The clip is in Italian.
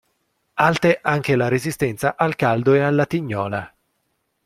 Alte anche la resistenza al caldo e alla tignola.